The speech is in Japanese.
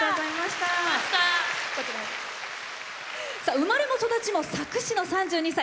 生まれも育ちも佐久市の３２歳。